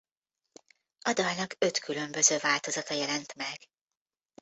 A dalnak öt különböző változata jelent meg.